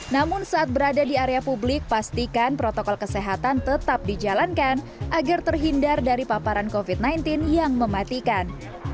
namun saat berada di area publik pastikan protokol kesehatan tetap dijalankan agar terhindar dari paparan covid sembilan belas yang mematikan